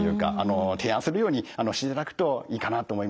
提案するようにしていただくといいかなと思いますね。